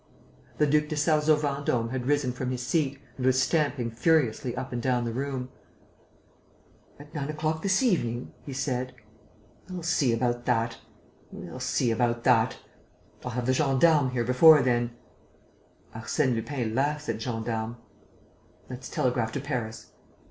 The Duc de Sarzeau Vendôme had risen from his seat and was stamping furiously up and down the room: "At nine o'clock this evening?" he said. "We'll see about that.... We'll see about that.... I'll have the gendarmes here before then...." "Arsène Lupin laughs at gendarmes." "Let's telegraph to Paris."